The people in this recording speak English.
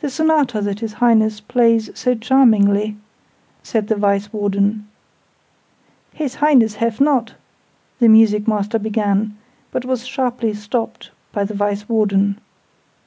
"The Sonata that His Highness plays so charmingly," said the Vice Warden. "His Highness haf not " the music master began, but was sharply stopped by the Vice warden.